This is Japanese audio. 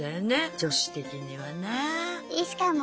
女子的にはね。